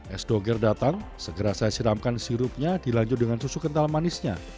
es doger datang segera saya siramkan sirupnya dilanjut dengan susu kental manisnya